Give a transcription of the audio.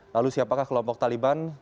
lalu siapakah kelompok taliban